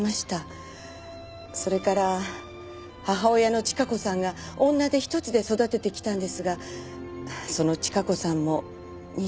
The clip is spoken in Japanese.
それから母親の千加子さんが女手ひとつで育ててきたんですがその千加子さんも２０年前に。